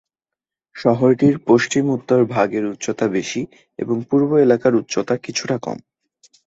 শহরটির পশ্চিম-উত্তর ভাগ এর উচ্চতা বেশি এবং পূর্ব এলাকার উচ্চতা কিছুটা কম।